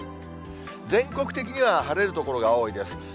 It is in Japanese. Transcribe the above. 全国的には、晴れる所が多いです。